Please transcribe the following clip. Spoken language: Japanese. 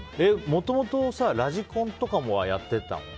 もともとラジコンとかはやってたの？